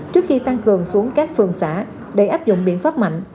trước khi tăng cường xuống các phường xã để áp dụng biện pháp mạnh